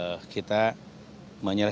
kemudian kita mencari dua korban